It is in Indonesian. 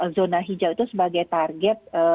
zona hijau itu sebagai target